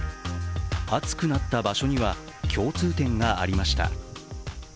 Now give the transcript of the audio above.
暑くなった場所には共通点がありました。